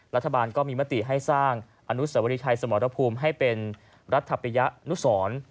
รัฐบาลก็มีมติให้สร้างอนุสวรีชัยสมรภูมิให้เป็นรัฐปริยะนุสร